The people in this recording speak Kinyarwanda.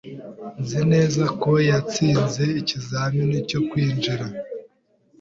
Nzi neza ko yatsinze ikizamini cyo kwinjira.